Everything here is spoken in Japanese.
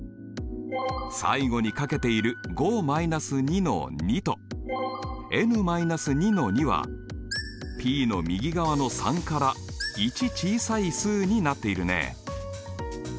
最後にかけている５−２の２とｎ−２の２はＰの右側の３から１小さい数になっているね。